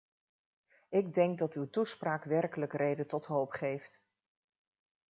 Ik denk dat uw toespraak werkelijk reden tot hoop geeft.